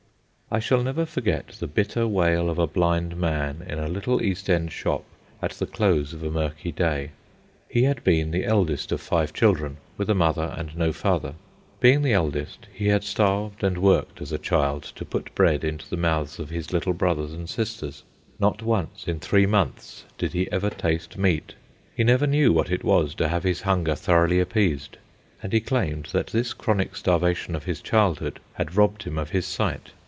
I shall never forget the bitter wail of a blind man in a little East End shop at the close of a murky day. He had been the eldest of five children, with a mother and no father. Being the eldest, he had starved and worked as a child to put bread into the mouths of his little brothers and sisters. Not once in three months did he ever taste meat. He never knew what it was to have his hunger thoroughly appeased. And he claimed that this chronic starvation of his childhood had robbed him of his sight.